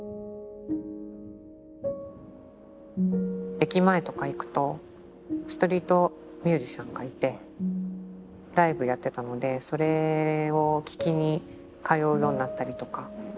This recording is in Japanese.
駅前とか行くとストリートミュージシャンがいてライブやってたのでそれを聴きに通うようになったりとか。